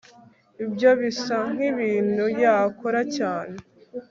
Ibyo bisa nkibintu yakora cyane